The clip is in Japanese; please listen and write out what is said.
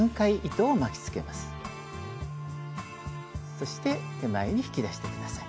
そして手前に引き出して下さい。